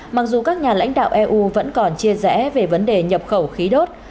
mặc dù các nhà lãnh đạo eu vẫn còn chia rẽ về vấn đề nhập khẩu khí đốt